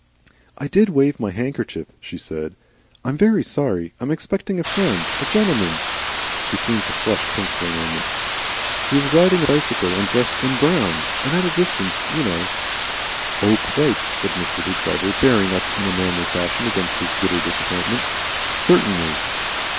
"I DID wave my handkerchief," she said. "I'm very sorry. I am expecting a friend, a gentleman," she seemed to flush pink for a minute. "He is riding a bicycle and dressed in in brown; and at a distance, you know " "Oh, quite!" said Mr. Hoopdriver, bearing up in manly fashion against his bitter disappointment. "Certainly."